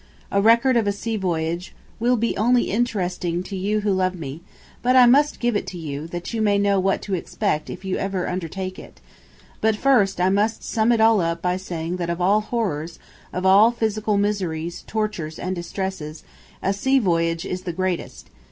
A record of a sea voyage will be only interesting to you who love me, but I must give it to you that you may know what to expect if you ever undertake it; but first, I must sum it all up by saying that of all horrors, of all physical miseries, tortures, and distresses, a sea voyage is the greatest